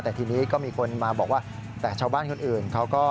แต่ทีนี้ก็มีคนมาบอกว่าแต่ชาวบ้านคนอื่นเขาก็